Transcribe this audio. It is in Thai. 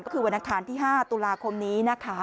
ก็คือวันอังคารที่๕ตุลาคมนี้นะคะ